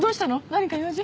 何か用事？